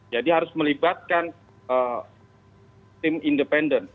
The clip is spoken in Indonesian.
jadi harus melibatkan tim independen